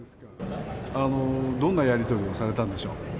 どんなやり取りをされたんでしょう。